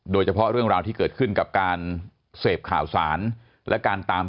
โดยเฉพาะเรื่องราวที่เกิดขึ้นกับการเสพข่าวสารและการตาม